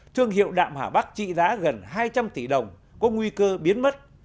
thương hiệu đạm hà bắc trị giá gần hai trăm linh tỷ đồng có nguy cơ biến mất